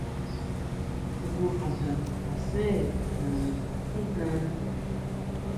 Jngu xojon asére nana tijnana.